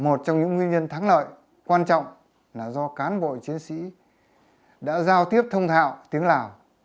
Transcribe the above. một trong những nguyên nhân thắng lợi quan trọng là do cán bộ chiến sĩ đã giao tiếp thông thạo tiếng lào